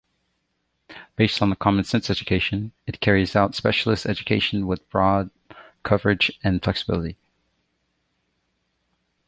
Based on common-sense education, it carries out specialist education with broad coverage and flexibility.